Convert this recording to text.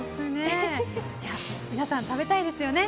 皆さん、食べたいですよね。